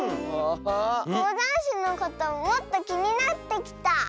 こうだんしのこともっときになってきた！